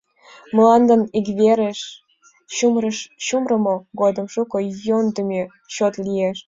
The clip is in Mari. Мландым иквереш чумырымо годым шуко йӧндымӧ шот лиеш.